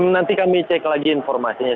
nanti kami cek lagi informasinya